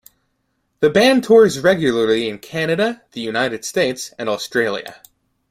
The band tours regularly in Canada, the United States and Australia.